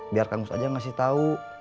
biarkan kang mus aja ngasih tau